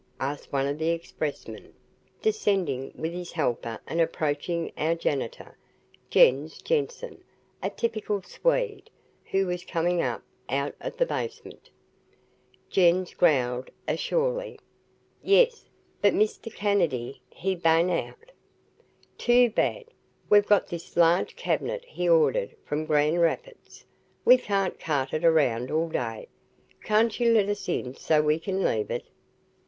asked one of the expressmen, descending with his helper and approaching our janitor, Jens Jensen, a typical Swede, who was coming up out of the basement. Jens growled a surly, "Yes but Mr. Kannady, he bane out." "Too bad we've got this large cabinet he ordered from Grand Rapids. We can't cart it around all day. Can't you let us in so we can leave it?"